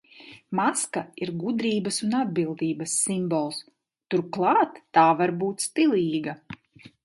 Maska ir gudrības un atbildības simbols. Turklāt, tā var būt stilīga.